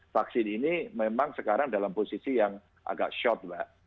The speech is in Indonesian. vaksin ini memang sekarang dalam posisi yang agak shot mbak